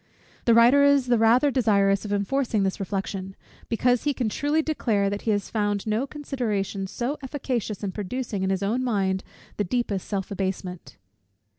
The writer is the rather desirous of enforcing this reflection; because he can truly declare, that he has found no consideration so efficacious in producing in his own mind the deepest self abasement.